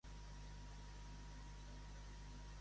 Què suggereix sobre Iñigo?